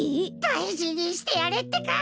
だいじにしてやれってか！